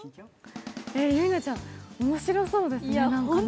ゆいなちゃん、面白そうですね、何か。